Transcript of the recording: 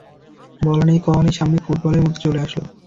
বলা নেই কওয়া নেই সামনে ফুটবলের মতো চলে আসলো!